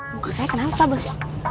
muka saya kenapa bos